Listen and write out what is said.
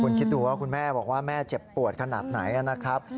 คุณคิดดูว่าคุณแม่บอกว่าแม่เจ็บปวดขนาดไหนนะครับ